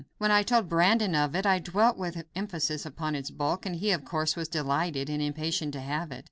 When I told Brandon of it, I dwelt with emphasis upon its bulk, and he, of course, was delighted, and impatient to have it.